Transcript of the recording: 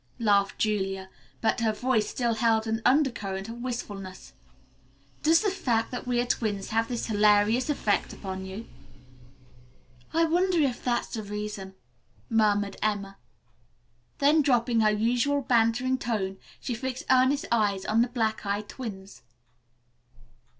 laughed Julia, but her voice still held an undercurrent of wistfulness. "Does the fact that we are twins have this hilarious effect upon you?" "I wonder if that's the reason," murmured Emma. Then dropping her usual bantering tone, she fixed earnest eyes on the black eyed twins.